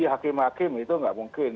tapi hakim hakim itu tidak mungkin